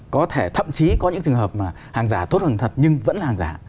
có thể thậm chí có những trường hợp mà hàng giả tốt hàng thật nhưng vẫn là hàng giả